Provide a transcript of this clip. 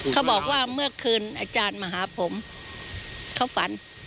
เขาบอกว่าเมื่อคืนอาจารย์มาหาผมเขาฝัน